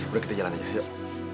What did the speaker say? udah kita jalan aja yuk